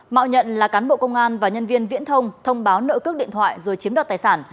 mạo nhận là cán bộ công an và nhân viên viễn thông thông báo nợ cước điện thoại rồi chiếm đoạt tài sản